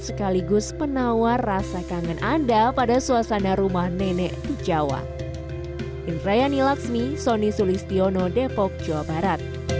sekaligus penawar rasa kangen anda pada suasana rumah nenek di jawa